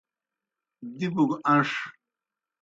دِبوْ گہ ان٘ݜ۔